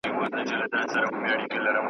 ماته څو خبرې ته ددوی د تلوسو وکړه